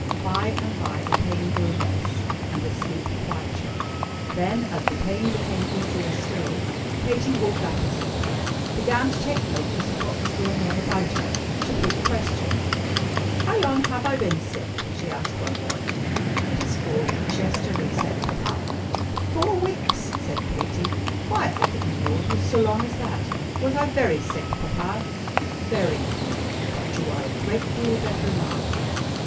By and by the pain grew less, and the sleep quieter. Then, as the pain became easier still, Katy woke up as it were began to take notice of what was going on about her; to put questions. "How long have I been sick?" she asked one morning. "It is four weeks yesterday," said Papa. "Four weeks!" said Katy. "Why, I didn't know it was so long as that. Was I very sick, Papa?" "Very, dear. But you are a great deal better now."